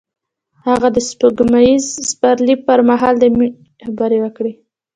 هغه د سپوږمیز پسرلی پر مهال د مینې خبرې وکړې.